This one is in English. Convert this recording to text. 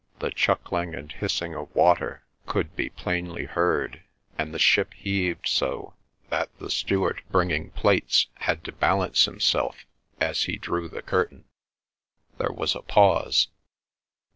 The chuckling and hissing of water could be plainly heard, and the ship heaved so that the steward bringing plates had to balance himself as he drew the curtain. There was a pause.